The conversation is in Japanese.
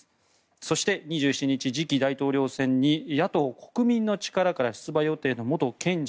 そして、２７日次期大統領選に野党・国民の力から出馬予定の元検事